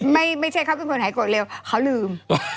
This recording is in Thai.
ไม่ใช่เขาเป็นคนหายโกรธเร็วเขาลืม